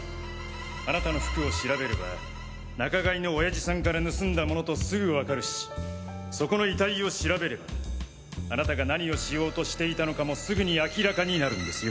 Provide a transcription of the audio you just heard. あなたの服を調べれば仲買のオヤジさんから盗んだものとすぐ分かるしそこの遺体を調べればあなたが何をしようとしていたのかもすぐに明らかになるんですよ。